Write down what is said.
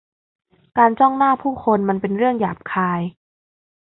การจ้องหน้าผู้คนมันเป็นเรื่องหยาบคาย